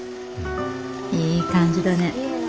いい感じだね。